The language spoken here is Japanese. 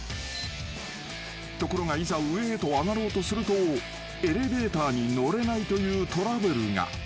［ところがいざ上へと上がろうとするとエレベーターに乗れないというトラブルが］